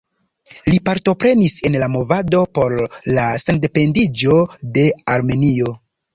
Li partoprenis en la movado por la sendependiĝo de Armenio.